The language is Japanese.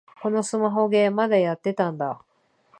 このスマホゲー、まだやってたんだ